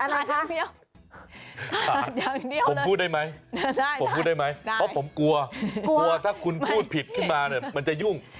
ขาดอย่างเดียวผมพูดได้ไหมผมพูดได้ไหมเพราะผมกลัวถ้าคุณพูดผิดขึ้นมาเนี่ยมันจะยุ่ง